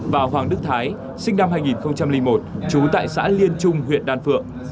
và hoàng đức thái sinh năm hai nghìn một trú tại xã liên trung huyện đan phượng